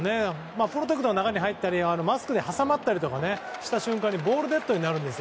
プロテクターの中に入ったりマスクに挟まったりした瞬間にボールデッドになるんです。